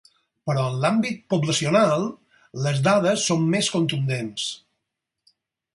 Però en l’àmbit poblacional, les dades són més contundents.